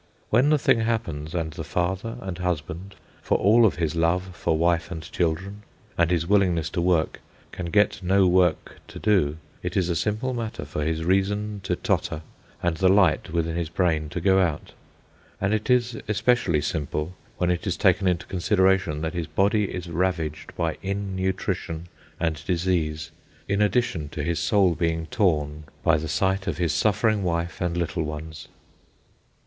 When the thing happens, and the father and husband, for all of his love for wife and children and his willingness to work, can get no work to do, it is a simple matter for his reason to totter and the light within his brain go out. And it is especially simple when it is taken into consideration that his body is ravaged by innutrition and disease, in addition to his soul being torn by the sight of his suffering wife and little ones.